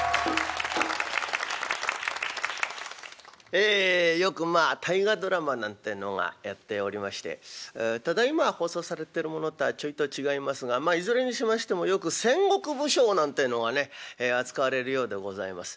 ええよくまあ「大河ドラマ」なんてのがやっておりましてただいま放送されてるものとはちょいと違いますがまあいずれにしましてもよく戦国武将なんてえのがね扱われるようでございます。